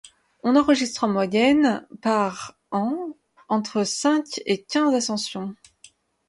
On enregistre en moyenne par an entre cinq et quinze ascensions.